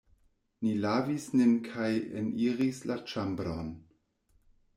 Ni lavis nin kaj eniris la ĉambron.